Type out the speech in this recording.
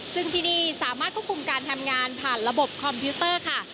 ซึ่งที่นี่สามารถควบคุมการทำงานผ่านระบบคอมพิวเตอร์ค่ะ